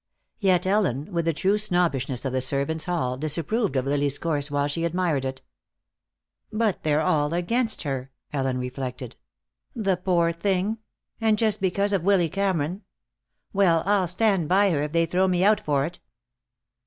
Yet Ellen, with the true snobbishness of the servants' hall, disapproved of Lily's course while she admired it. "But they're all against her," Ellen reflected. "The poor thing! And just because of Willy Cameron. Well, I'll stand by her, if they throw me out for it."